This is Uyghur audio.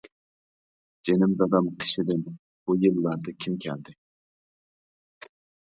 جېنىم دادام قېشىدىن، بۇ يىللاردا كىم كەلدى.